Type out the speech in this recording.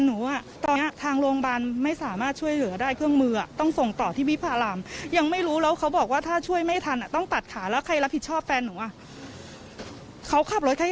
อุ้ยเจ็บหนักนะคะ